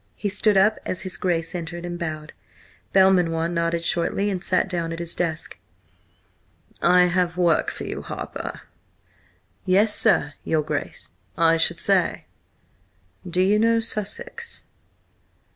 He stood up as his Grace entered, and bowed. Belmanoir nodded shortly and sat down at his desk. "I have work for you, Harper." "Yes, sir–your Grace, I should say." "Do you know Sussex?"